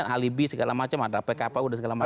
kemudian halibi segala macam ada pkpu dan segala macam